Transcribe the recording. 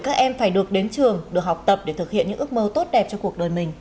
các em phải được đến trường được học tập để thực hiện những ước mơ tốt đẹp cho cuộc đời mình